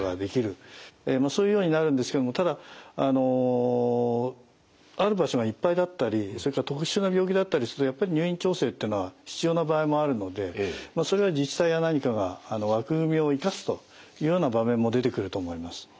そういうようになるんですけどもただある場所がいっぱいだったりそれから特殊な病気だったりするとやっぱり入院調整ってのは必要な場合もあるのでそれは自治体や何かが枠組みを生かすというような場面も出てくると思います。